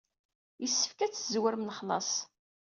Yessefk ad teszewrem lexlaṣ.